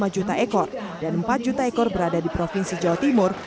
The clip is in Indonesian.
lima juta ekor dan empat juta ekor berada di provinsi jawa timur